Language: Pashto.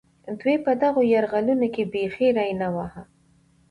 دوی په دغو یرغلونو کې بېخي ري نه واهه.